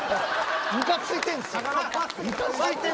ムカついてるんですよ。